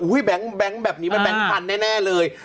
แบงค์แบบนี้มันแบงค์พันธุแน่เลย